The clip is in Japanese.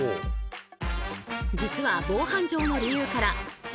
実は防犯上の理由から何！？